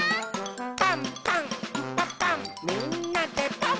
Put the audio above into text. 「パンパンんパパンみんなでパン！」